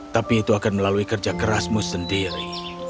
tapi itu akan melalui kerja kerasmu sendiri